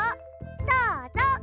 どうぞ。